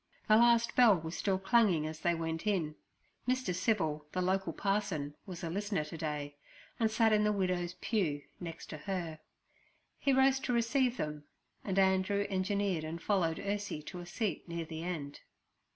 The last bell was still changing as they went in. Mr. Civil, the local parson, was a listener to day, and sat in the widow's pew, next to her. He rose to receive them, and Andrew engineered and followed Ursie to a seat near the end.